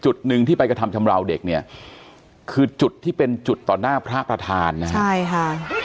จุดหนึ่งที่ไปกระทำชำราวเด็กเนี่ยคือจุดที่เป็นจุดต่อหน้าพระประธานนะฮะใช่ค่ะ